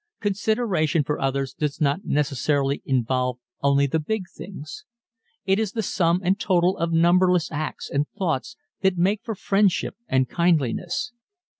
Consideration for others does not necessarily involve only the big things. It is the sum and total of numberless acts and thoughts that make for friendships and kindliness.